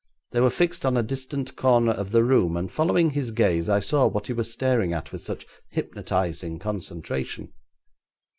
They were fixed on a distant corner of the room, and following his gaze I saw what he was staring at with such hypnotising concentration.